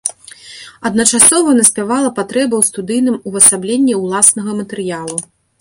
Адначасова наспявала патрэба ў студыйным увасабленні ўласнага матэрыялу.